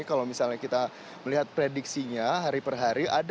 jadi kalau misalnya kita melihat prediksinya hari per hari